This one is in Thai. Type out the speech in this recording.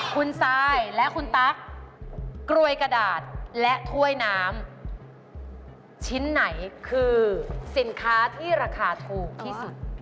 คุณซายและคุณตั๊กกรวยกระดาษและถ้วยน้ำชิ้นไหนคือสินค้าที่ราคาถูกที่สุด